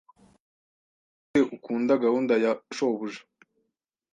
Nigute ukunda gahunda ya shobuja?